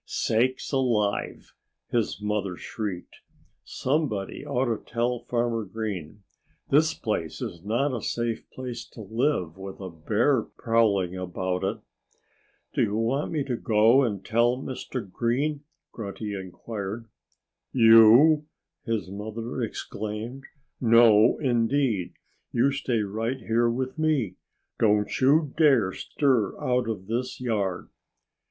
"Sakes alive!" his mother shrieked. "Somebody ought to tell Farmer Green! This farm is not a safe place to live, with a bear prowling about it." "Do you want me to go and tell Mr. Green?" Grunty inquired. "You?" his mother exclaimed. "No, indeed! You stay right here with me! Don't you dare stir out of this yard!"